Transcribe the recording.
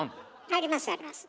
ありますあります。